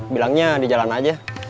bilangnya di jalan aja